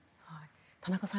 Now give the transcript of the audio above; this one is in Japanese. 田中さん